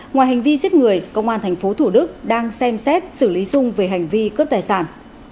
ngoài hành vi giết người công an tp thủ đức đang xem xét xử lý dung về hành vi cướp tài sản